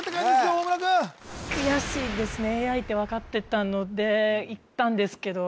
大村君悔しいですねＡＩって分かってたのでいったんですけど